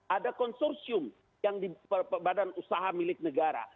ada konsorsium yang di badan usaha milik negara